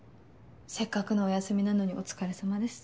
せっかくのお休みなのにお疲れさまです。